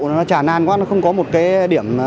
nó chả nan quá nó không có một cái điểm